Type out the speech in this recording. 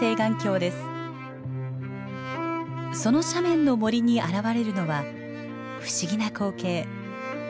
その斜面の森に現れるのは不思議な光景。